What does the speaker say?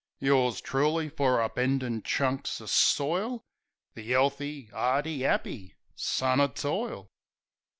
Yours truly fer upendin' chunks o' soil! The 'ealthy, 'ardy, 'appy son o' toil!